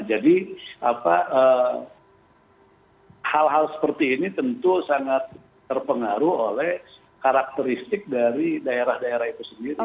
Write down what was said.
jadi hal hal seperti ini tentu sangat terpengaruh oleh karakteristik dari daerah daerah itu sendiri